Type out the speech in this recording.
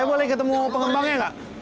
saya boleh ketemu pengembangnya gak